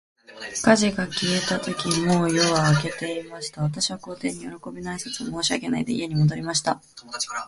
火事が消えたとき、もう夜は明けていました。私は皇帝に、よろこびの挨拶も申し上げないで、家に戻りました。